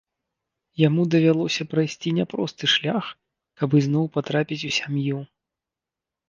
Яму давялося прайсці няпросты шлях каб ізноў патрапіць у сям'ю.